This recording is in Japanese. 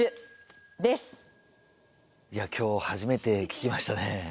いや今日初めて聞きましたね。